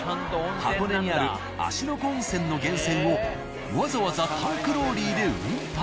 箱根にある芦ノ湖温泉の源泉をわざわざタンクローリーで運搬。